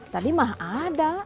tadi mah ada